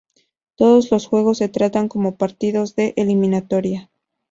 Todos los juegos se tratan como partidos de eliminatoria.